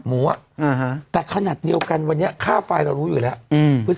หมูอ่ะอ่าฮะแต่ขนาดเดียวกันวันนี้ค่าไฟเรารู้อยู่แล้วอืมพฤษ